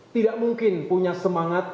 tidak mungkin punya semangat